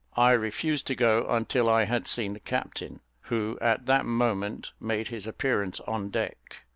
I refused to go until I had seen the captain, who at that moment made his appearance on deck.